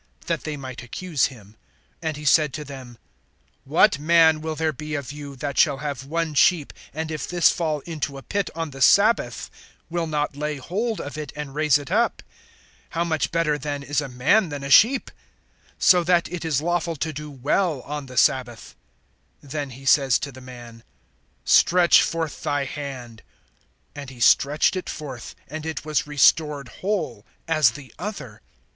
that they might accuse him. (11)And he said to them: What man will there be of you, that shall have one sheep, and if this fall into a pit on the sabbath, will not lay hold of it, and raise it up? (12)How much better then is a man than a sheep! So that it is lawful to do well on the sabbath. (13)Then he says to the man: Stretch forth thy hand. And he stretched it forth; and it was restored whole, as the other.